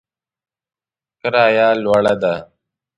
کرایه لوړه ده